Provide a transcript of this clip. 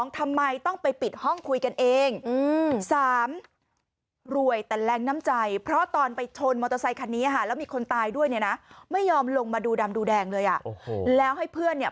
ทำไมต้องไปปิดห้องคุยกันเอง๓รวยแต่แรงน้ำใจเพราะตอนไปชนมอเตอร์ไซคันนี้ค่ะแล้วมีคนตายด้วยเนี่ยนะไม่ยอมลงมาดูดำดูแดงเลยอ่ะโอ้โหแล้วให้เพื่อนเนี่ย